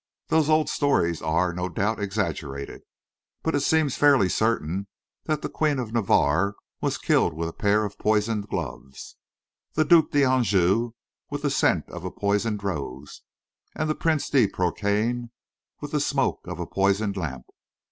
Those old stories are, no doubt, exaggerated; but it seems fairly certain that the Queen of Navarre was killed with a pair of poisoned gloves, the Duc d'Anjou with the scent of a poisoned rose, and the Prince de Porcian with the smoke of a poisoned lamp.